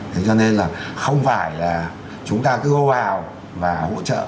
thế cho nên là không phải là chúng ta cứ hô vào và hỗ trợ